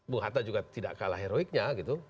bung hatta juga tidak kalah heroiknya gitu